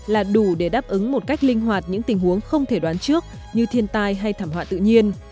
là đủ để đáp ứng một cách linh hoạt những tình huống không thể đoán trước như thiên tai hay thảm họa tự nhiên